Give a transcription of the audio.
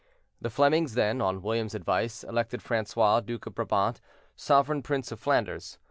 The Flemings then, on William's advice, elected Francois, duc of Brabant, sovereign prince of Flanders.